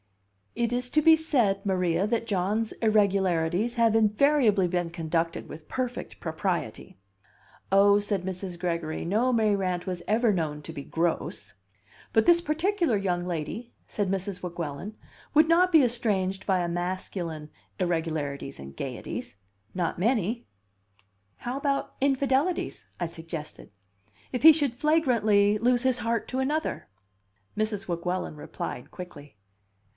"It is to be said, Maria, that John's irregularities have invariably been conducted with perfect propriety." "Oh," said Mrs. Gregory, "no Mayrant was ever known to be gross!" "But this particular young lady," said Mrs. Weguelin, "would not be estranged by an masculine irregularities and gayeties. Not many." "How about infidelities?" I suggested. "If he should flagrantly lose his heart to another?" Mrs. Weguelin replied quickly.